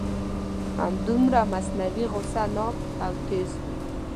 همدومره مصنوعي غصه ناک او تیز و.